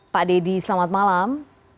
pak deddy selamat malam